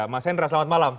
mas wendra selamat malam